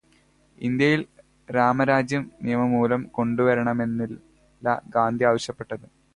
ഇന്ത്യയില് രാമരാജ്യം നിയമം മൂലം കൊണ്ടുവരണമെന്നല്ല ഗാന്ധി ആവശ്യപ്പെട്ടത്.